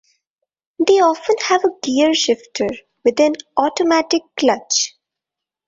They often have a gear shifter with an automatic clutch.